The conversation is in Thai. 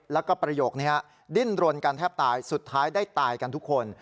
แล้วก็ประโยคนี้ดิ้นรนกันแทบตายสุดท้ายได้ตายกันทุกคน